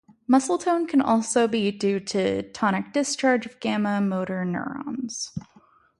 Muscle tone can also be due to tonic discharge of gamma motor neurons.